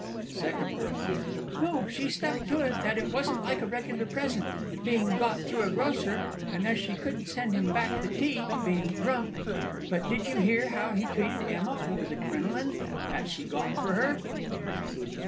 SECOND GIRL. No, she stuck to it that it wasn't like a regular present, being got through a grocer, and as she couldn't send him back the tea, being drunk, but did you hear how she treated Emma over the crinoline 'at she got for her?